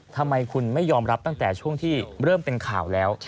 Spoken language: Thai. ทำไมคุณไม่ยอมรับตั้งแต่ช่วงที่เริ่มเป็นข่าวแล้ว